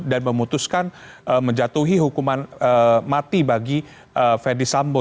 dan memutuskan menjatuhi hukuman mati bagi fendi sambo